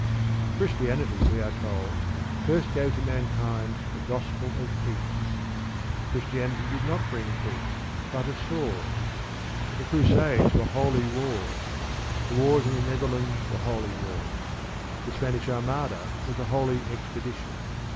Christianity, we are told, first gave to mankind the gospel of peace. Christianity did not bring peace, but a sword. The Crusades were holy wars. The wars in the Netherlands were holy wars. The Spanish Armada was a holy expedition.